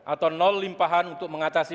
atau limpahan untuk mengatasi